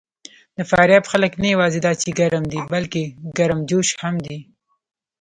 د فاریاب خلک نه یواځې دا چې ګرم دي، بلکې ګرمجوش هم دي.